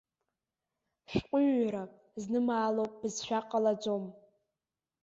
Шәҟәҩыра знымаало бызшәа ҟалаӡом!